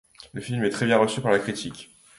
Le film est très bien reçu par la critique.